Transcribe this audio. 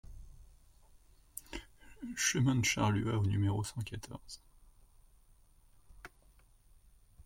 Chemin de Charluat au numéro cent quatorze